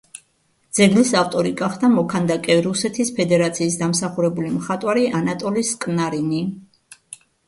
ძეგლის ავტორი გახდა მოქანდაკე, რუსეთის ფედერაციის დამსახურებული მხატვარი ანატოლი სკნარინი.